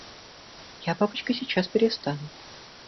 Я, папочка, сейчас перестану.